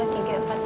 wah tidur semua ini